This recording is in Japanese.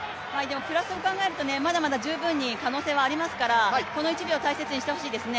プラスを考えると、まだまだ十分に可能性がありますからこの１秒を大切にしてほしいですね